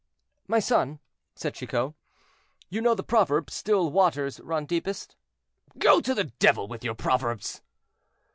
"My son," said Chicot, "you know the proverb, 'Still waters run deepest'?" "Go to the devil with your proverbs."